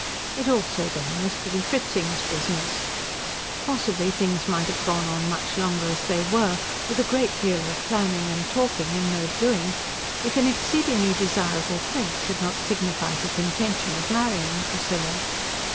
It also, then, was to be Fritzing's business. Possibly things might have gone on much longer as they were, with a great deal of planning and talking, and no doing, if an exceedingly desirable prince had not signified his intention of marrying Priscilla.